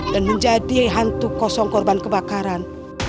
dan menjadi hantu kosong korban kebakaran